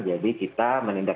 jadi kita menindak